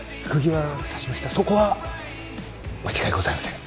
そこは間違いございません。